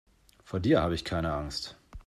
Vor dir habe ich keine Angst.